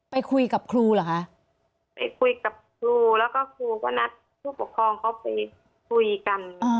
ไปคุยกับครูแล้วก็ครูก็นัดผู้ปกครองเขาไปคุยกัน